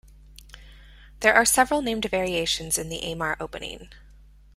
There are several named variations in the Amar Opening.